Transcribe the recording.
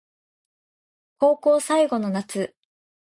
高校最後の夏